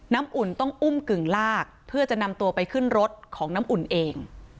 อุ่นต้องอุ้มกึ่งลากเพื่อจะนำตัวไปขึ้นรถของน้ำอุ่นเอง